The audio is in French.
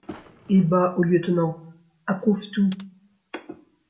Et, bas, au lieutenant :— Approuve tout.